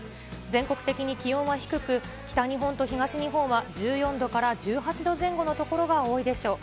全国的に気温は低く、北日本と東日本は１４度から１８度前後の所が多いでしょう。